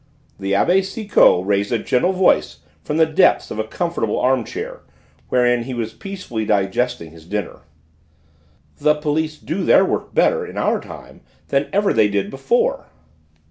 The Abbé Sicot raised a gentle voice from the depths of a comfortable arm chair wherein he was peacefully digesting his dinner. "The police do their work better in our time than ever they did before."